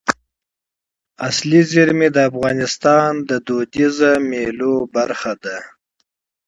طبیعي زیرمې د افغانستان د فرهنګي فستیوالونو برخه ده.